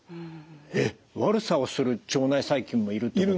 えっ悪さをする腸内細菌もいるってこと？